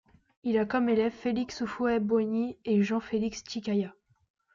Il a comme élèves, Félix Houphouët-Boigny et Jean-Félix Tchicaya.